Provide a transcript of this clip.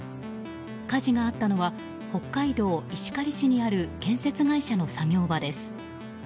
火事があったのは北海道石狩市にある建設会社の作業場です。